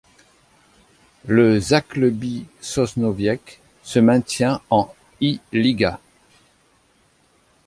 Le Zagłębie Sosnowiec se maintient en I Liga.